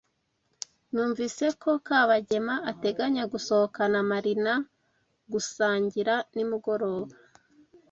Numvise ko Kabagema ateganya gusohokana Marina gusangira nimugoroba.